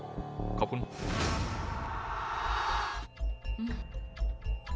คุณมีความรู้สึกเชื่อมั่นในเกาลัดมากเลยใช่ไหมล่ะครับ